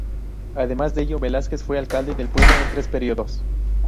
Además de ello, Velásquez fue alcalde del pueblo en tres períodos.